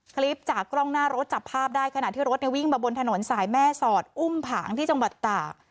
คลิปจากกล้องหน้ารถจับภาพได้ขณะที่รถวิ่งมาบนถนนสายแม่สอดอุ้มผางที่จังหวัดตาก